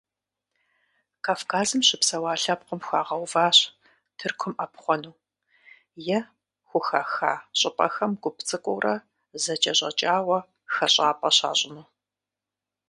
Кавказым щыпсэуа лъэпкъым хуагъэуващ Тыркум Ӏэпхъуэну, е хухаха щӀыпӀэхэм гуп цӀыкӀуурэ зэкӀэщӀэкӀауэ хэщӀапӀэ щащӀыну.